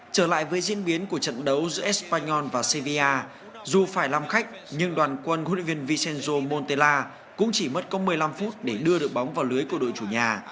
trở lại với diễn biến của trận đấu giữa espanyol và sevilla dù phải làm khách nhưng đoàn quân huyện viên vicenzo montella cũng chỉ mất có một mươi năm phút để đưa được bóng vào lưới của đội chủ nhà